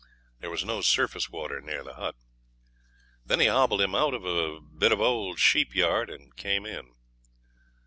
There was no surface water near the hut. Then he hobbled him out of a bit of old sheep yard, and came in.